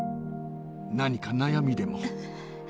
何か悩みでも？